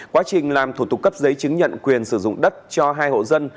quá trình làm thủ tục cấp giấy chứng nhận quyền sử dụng đất cho hai hộ dân